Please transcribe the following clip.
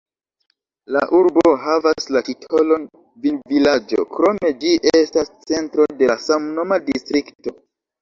La urbo havas la titolon vinvilaĝo, krome ĝi estas centro de la samnoma distrikto.